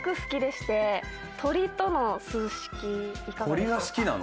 鳥との数式いかがでしょうか？